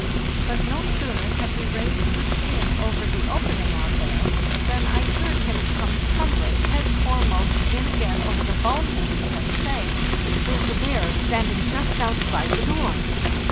But no sooner had he raised the skin over the opening out there than I heard him come THE NEW YVEAR, 1896 467 tumbling head foremost in again over the bone heap and say, ' There's a bear standing just outside the door.